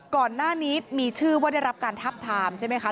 ก่อนหน้านี้มีชื่อว่าได้รับการทับทามใช่ไหมคะ